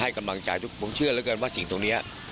กำลังใจทุกผมเชื่อเหลือเกินว่าสิ่งตรงนี้